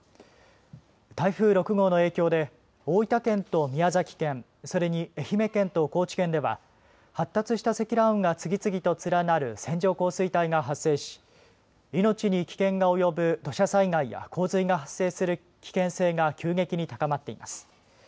台風６号の影響で大分県と宮崎県それに愛媛県と高知県では発達した積乱雲が次々と連なる線状降水帯が発生し命に危険が及ぶ土砂災害や洪水が発生する危険性が急激に高まっています。